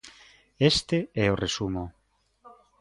Este é o resumo.